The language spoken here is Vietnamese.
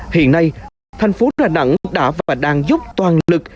hiện nay thành phố đà nẵng đã và đang giúp toàn lực